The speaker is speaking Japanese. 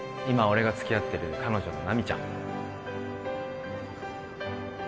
今俺がつきあってる彼女の奈未ちゃん